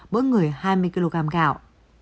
mỗi người hai mươi kg gạo